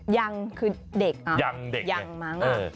หยังคือเด็กเหรอหยังมั้งอุ๊กยังเด็ก